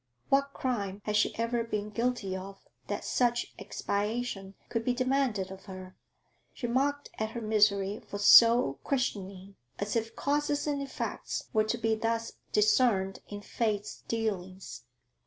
What crime had she ever been guilty of that such expiation could be demanded of her? She mocked at her misery for so questioning; as if causes and effects were to be thus discerned in fate's dealings.